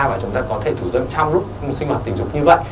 và chúng ta có thể thủ dân trong lúc sinh hoạt tình dục như vậy